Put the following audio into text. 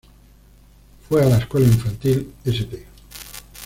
Fue a la escuela infantil St.